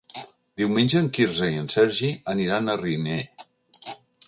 Diumenge en Quirze i en Sergi aniran a Riner.